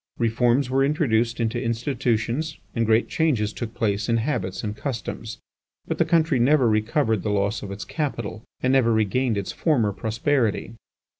Reforms were introduced into institutions and great changes took place in habits and customs, but the country never recovered the loss of its capital, and never regained its former prosperity.